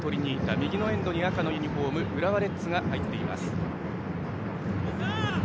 右のエンドに赤のユニフォーム浦和レッズが入っています。